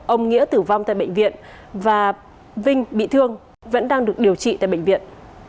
ông nghĩa tử vong tại bệnh viện và vinh bị thương vẫn đang được điều trị tại bệnh viện